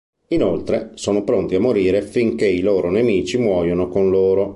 Inoltre, sono pronti a morire finché i loro nemici muoiono con loro.